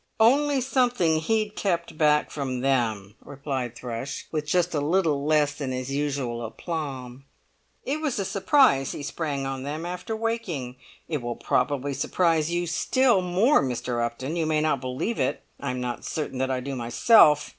"Only something he'd kept back from them," replied Thrush, with just a little less than his usual aplomb. "It was a surprise he sprang on them after waking; it will probably surprise you still more, Mr. Upton. You may not believe it. I'm not certain that I do myself.